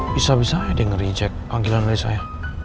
bisa bisa adi ngereject panggilan dari saya